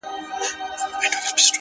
سر مي بلند دی!